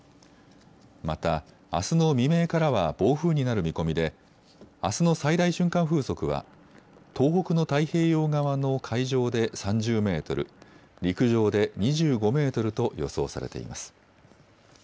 また、あすの未明からは暴風になる見込みであすの最大瞬間風速は東北の太平洋側の海上で３０メートル、陸上で２５メートルと予想されています。